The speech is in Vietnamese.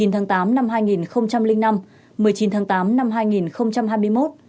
một mươi tháng tám năm hai nghìn năm một mươi chín tháng tám năm hai nghìn hai mươi một